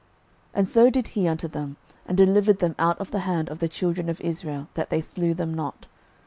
06:009:026 And so did he unto them, and delivered them out of the hand of the children of Israel, that they slew them not.